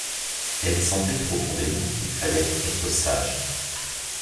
Elle sentait profondément qu’il fallait « être sage ».